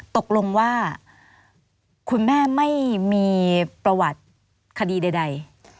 ตกลงว่าคุณแม่ไม่มีประวัติคดีใด